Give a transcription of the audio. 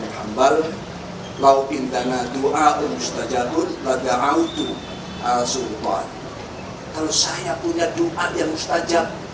muhammad lau indana dua mustajabun pada autu al sultan kalau saya punya doa yang mustajab